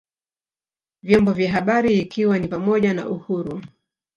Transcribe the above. vyombo vya habari ikiwa ni pamoja na uhuru